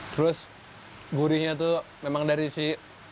terus gurihnya tuh memang dari si